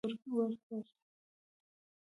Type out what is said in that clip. نو ځکه يې ماشوم اشرف خان ته ورکړ.